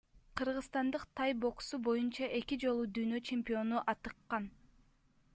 Кыргызстандык тай боксу боюнча эки жолу дүйнө чемпиону атыккан.